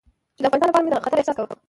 چې د افغانستان لپاره مې د خطر احساس کاوه.